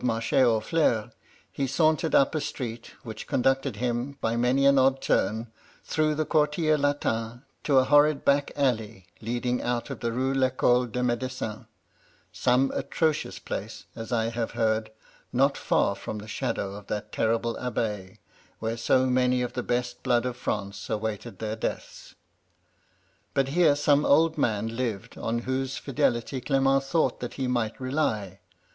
Marche aux Fleurs, he sauntered up a street which conducted him, by many an odd turn, through the Quartier Latin to a horrid back alley, leading out of the Rue TEcole de Medecine ; some atrocious place, as I have heard, not £aT from the shadow of that terrible Abbaye, where so many of the best blood of France awaited their deaths. But here some old man lived on whose fidelity Clement thought that he might rely.